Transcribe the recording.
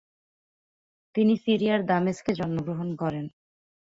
তিনি সিরিয়ার দামেস্কে জন্মগ্রহণ করেন।